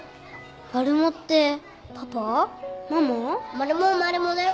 マルモはマルモだよ。